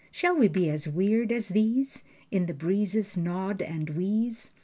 Shall we be as weird as these? In the breezes nod and wheeze?